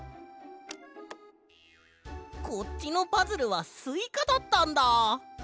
こっちのパズルはスイカだったんだ！